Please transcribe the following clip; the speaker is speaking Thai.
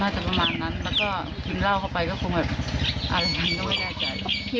แล้วก็ถึงเล่าเข้าไปก็คงแบบอ่าไม่ได้แน่ใจ